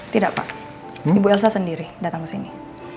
tidak pak ibu elsa sendiri datang ke sini